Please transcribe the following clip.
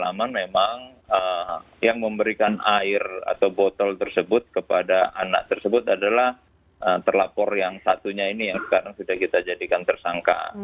namun memang yang memberikan air atau botol tersebut kepada anak tersebut adalah terlapor yang satunya ini yang sekarang sudah kita jadikan tersangka